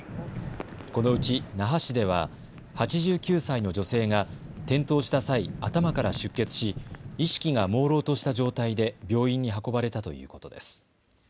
このうち那覇市では８９歳の女性が転倒した際、頭から出血し意識がもうろうとした状態で病院に運ばれたということです。